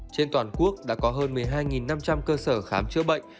trên toàn quốc đã có hơn một mươi hai năm trăm linh cơ sở khám chữa bệnh